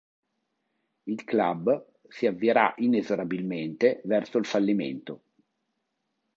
Il club si avvierà inesorabilmente verso il fallimento.